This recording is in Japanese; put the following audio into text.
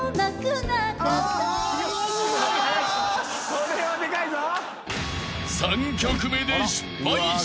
これはでかいぞ。